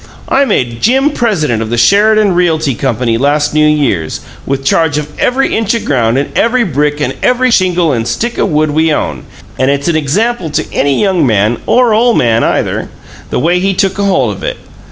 I made Jim president o' the Sheridan Realty Company last New Year's, with charge of every inch o' ground and every brick and every shingle and stick o' wood we own; and it's an example to any young man or ole man, either the way he took ahold of it.